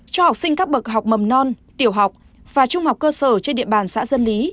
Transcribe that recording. cho học sinh các bậc học mầm non tiểu học và trung học cơ sở trên địa bàn xã dân lý